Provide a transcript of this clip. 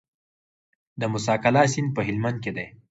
د موسی قلعه سیند په هلمند کې دی